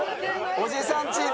おじさんチーム。